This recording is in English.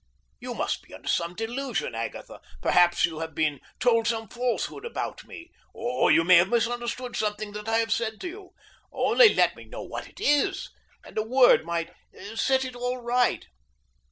You must be under some delusion, Agatha. Perhaps you have been told some falsehood about me. Or you may have misunderstood something that I have said to you. Only let me know what it is, and a word may set it all right."